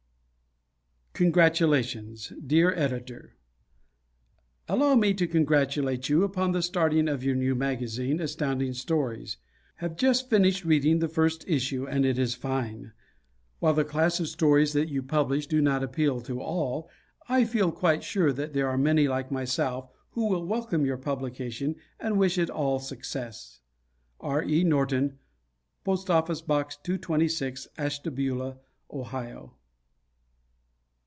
Congratulations Dear Editor: Allow me to congratulate you upon the starting of your new magazine, Astounding Stories. Have just finished reading the first issue and it is fine. While the class of stories that you publish do not appeal to all, I feel quite sure that there are many like myself who will welcome your publication and wish it all success. R. E. Norton, P. O. Box 226, Ashtabula, Ohio.